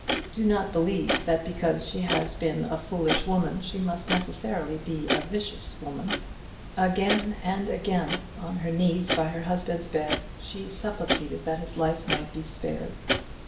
Do not believe that because she had been a foolish woman she must necessarily be a vicious woman. Again and again, on her knees by her husband's bed, she supplicated that his life might be spared.